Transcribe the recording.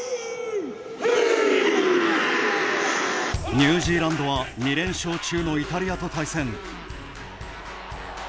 ニュージーランドは２連勝中のイタリアと対戦。